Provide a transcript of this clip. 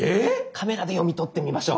カメラで読み取ってみましょう！